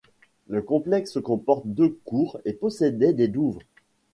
Le complexe comporte deux cours et possédait des douves.